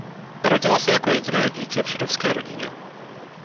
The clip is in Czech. Narodila se jako jediné dítě v židovské rodině.